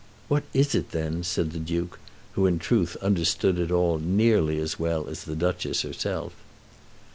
"What is it then?" said the Duke, who in truth understood it all nearly as well as the Duchess herself.